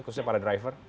khususnya para driver